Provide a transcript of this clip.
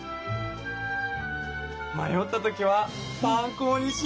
まよったときは参考にします。